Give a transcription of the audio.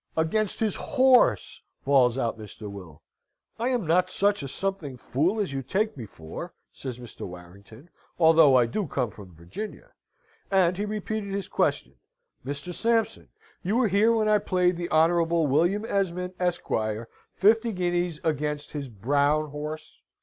"Against his horse!" bawls out Mr. Will. "I am not such a something fool as you take me for," says Mr. Warrington, "although I do come from Virginia!" And he repeated his question: "Mr. Sampson, you were here when I played the Honourable William Esmond, Esquire, fifty guineas against his brown horse?"